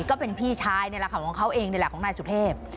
ก็เป็นพี่ชายนี่แหละค่ะของเขาเองนี่แหละของนายสุเทพ